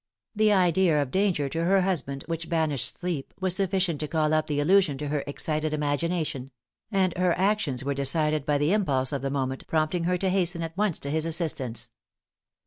The idea of danger to her husband, which banished sleep, was sufficient to call up the illusion to her excited imagination; and her actions were decided by the impulse of the moment, prompting her to hasten at once to his assistance.